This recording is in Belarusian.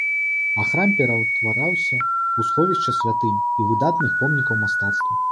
А храм пераўтвараўся ў сховішча святынь і выдатных помнікаў мастацтва.